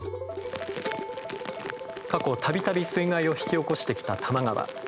過去、たびたび水害を引き起こしてきた多摩川。